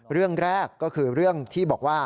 เรื่องแรกก็คือเรื่องที่บอกว่า